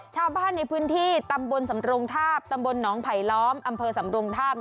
ชาวบ้านในพื้นที่ตำบลสำรงทาบตำบลหนองไผลล้อมอำเภอสำรงทาบ